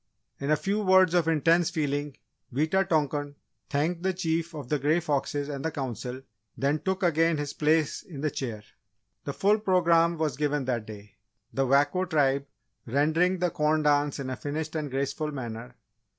In a few words of intense feeling, Wita tonkan thanked the Chief of the Grey Foxes and the Council, then took again his place in the Chair. The full programme was given that day. The Wako Tribe rendering the Corn Dance in a finished and graceful manner.